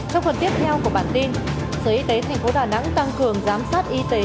trong phần tiếp theo của bản tin sở y tế tp đà nẵng tăng cường giám sát y tế